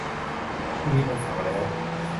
พรุ่งนี้วันเสาร์แล้ว